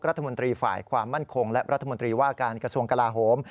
รัฐมนตรีฝ่ายความมั่นคงและรัฐมนตรีว่าการกระทรวงกลาโหม